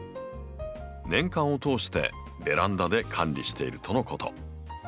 年間を通してベランダで管理しているとのこと。